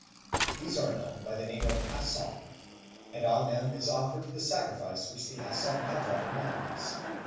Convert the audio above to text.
These are known by the name of asong, and on them is offered the sacrifice which the Asongtata demands.